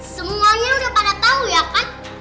semuanya udah pada tahu ya kan